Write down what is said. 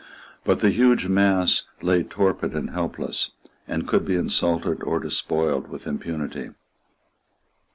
But the huge mass lay torpid and helpless, and could be insulted or despoiled with impunity.